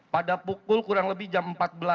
pada pukul kurang lebih jam empat belas